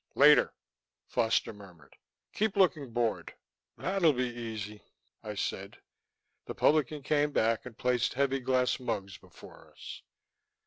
"Later," Foster murmured. "Keep looking bored." "That'll be easy," I said. The publican came back and placed heavy glass mugs before us.